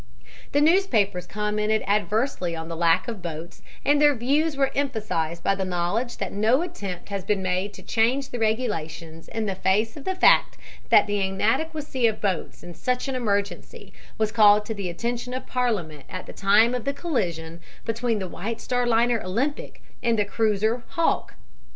The newspapers commented adversely on the lack of boats and their views were emphasized by the knowledge that no attempt has been made to change the regulations in the face of the fact that the inadequacy of boats in such an emergency was called to the attention of Parliament at the time of the collision between the White Star liner Olympic and the cruiser Hawke.